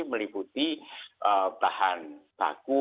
meliputi bahan baku